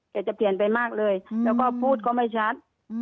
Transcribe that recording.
จะเปลี่ยนไปมากเลยแล้วก็พูดก็ไม่ชัด